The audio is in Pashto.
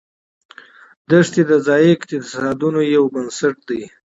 دښتې د ځایي اقتصادونو یو بنسټ دی.